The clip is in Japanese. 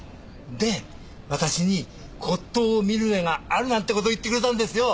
で私に骨董を見る目があるなんて事を言ってくれたんですよ。